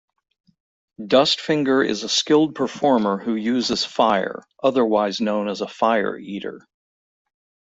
Dustfinger is a skilled performer who uses fire, otherwise known as a fire-eater.